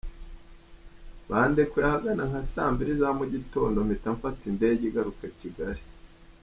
Bandekuye ahagana nka saa mbili za mugitondo mpita mfata indege igaruka Kigali .